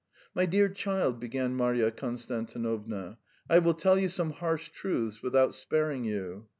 "My dear child," began Marya Konstantinovna, "I will tell you some harsh truths, without sparing you."